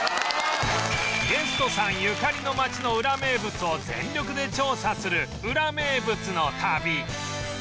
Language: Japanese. ゲストさんゆかりの町のウラ名物を全力で調査するウラ名物の旅